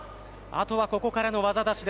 あとはここからの技出し。